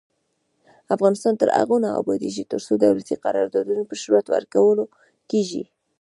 افغانستان تر هغو نه ابادیږي، ترڅو دولتي قراردادونه په رشوت ورکول کیږي.